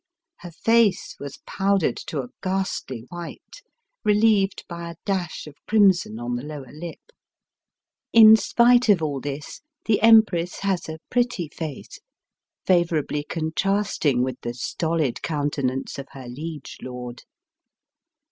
Her face was powdered to a ghastly white, reUeved by a dash of crimson on the lower lip. In spite of all this the Empress has a pretty face, favourably contrasting with the stolid countenance of her Hege lord.